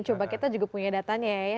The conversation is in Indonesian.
coba kita juga punya datanya ya